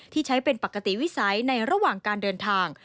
ใช้เป็นปกติวิสัยในระหว่างการเดินทาง